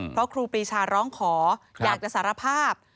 เพราะครูปรีชาร้องขออยากจะสารภาพ